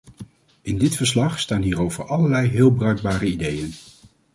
In dit verslag staan hierover allerlei heel bruikbare ideeën.